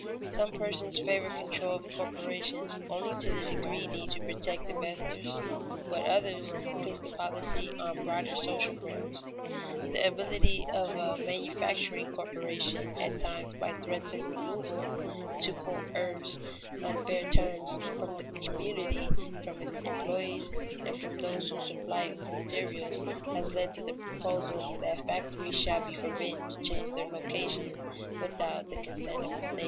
Some persons favor control of corporations only to the degree needed to protect investors, but others place the policy on broader social grounds. The ability of a manufacturing corporation, at times, by threats of removal, to coerce unfair terms from the community, from its employees, and from those who supply it with materials, has led to the proposal that factories shall be forbidden to change their location without the consent of the state.